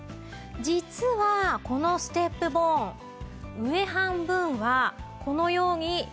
実はこのステップボーン上半分はこのように柔軟性があります。